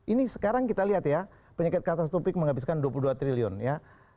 ini sekarang kita lihat ya penyakit katastrupik menghabiskan dua puluh dua triliun ya